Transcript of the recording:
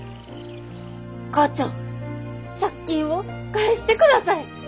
「母ちゃん、しゃっ金を返してください。